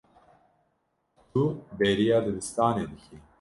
Tu bêriya dibistanê dikî.